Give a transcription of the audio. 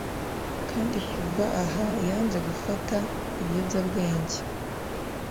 kandi vuba aha yanze gufata ibiyobyabwenge